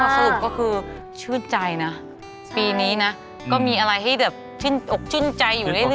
สรุปก็คือชื่นใจนะปีนี้นะก็มีอะไรให้แบบชื่นอกชื่นใจอยู่เรื่อย